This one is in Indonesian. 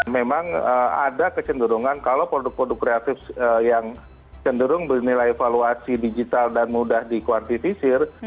memang ada kecenderungan kalau produk produk kreatif yang cenderung bernilai evaluasi digital dan mudah dikuantitisir